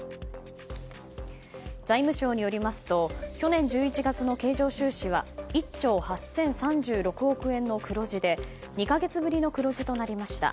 財務省によりますと去年１１月の経常収支は１兆８０３６億円の黒字で２か月ぶりの黒字となりました。